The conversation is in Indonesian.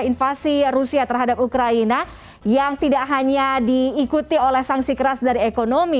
invasi rusia terhadap ukraina yang tidak hanya diikuti oleh sanksi keras dari ekonomi